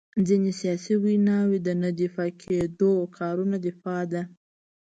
ځینې سیاسي ویناوي د نه دفاع کېدونکو کارونو دفاع ده.